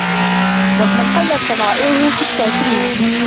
وَمَنْ قَلَّتْ صَنَائِعُهُ فِي الشَّاكِرِينَ